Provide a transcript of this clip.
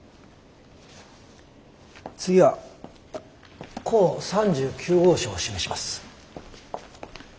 次は甲３９号証を示します。